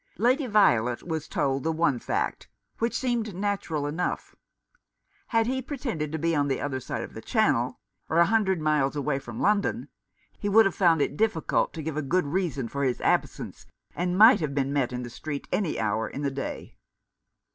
Lady Violet was told the one fact — which seemed natural enough. Had he pretended to be on the other side of the Channel — or a hundred miles away from London — he would have found it difficult to give a good reason for his absence, and might 247 Rough Justice. have been met in the street any hour in the day.